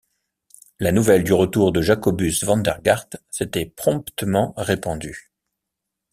La nouvelle du retour de Jacobus Vandergaart s’était promptement répandue.